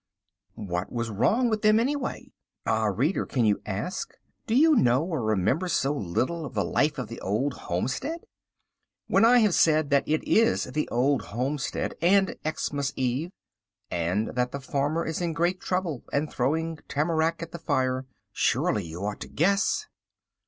What was wrong with them anyway? Ah, reader, can you ask? Do you know or remember so little of the life of the old homestead? When I have said that it is the Old Homestead and Xmas Eve, and that the farmer is in great trouble and throwing tamarack at the fire, surely you ought to guess!